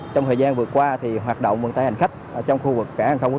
trong thời gian vừa qua thì hoạt động vận tải hành khách ở trong khu vực cả hàng thông quốc